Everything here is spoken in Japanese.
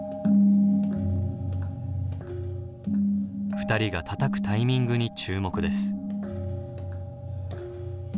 ２人がたたくタイミングに注目です。